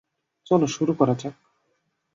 চলো শুরু করা যাক।